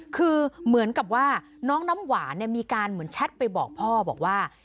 คือเหมือนกับว่าน้องน้ำหวานมีการเหมือนแชทไปบอกพ่อบอกว่า